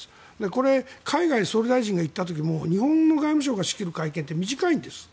これ、海外に総理大臣が行った時も日本の外務省が仕切る会見って短いんです。